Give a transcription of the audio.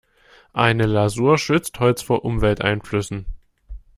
Eine Lasur schützt Holz vor Umwelteinflüssen.